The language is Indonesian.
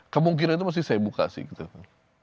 kemungkinan itu mesti saya buka sih gitu